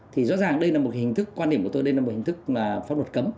thì rõ ràng đây là một hình thức quan điểm của tôi đây là một hình thức pháp luật cấm